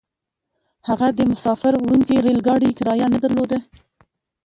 هغه د مساپر وړونکي ريل ګاډي کرايه نه درلوده.